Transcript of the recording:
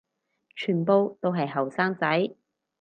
全部都係後生仔